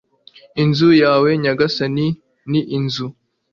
inzu yawe nyagasani, ni inzu